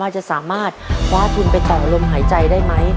จะสามารถคว้าทุนไปต่อลมหายใจได้ไหม